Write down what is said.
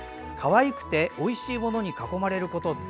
かわいくておいしいものに囲まれること。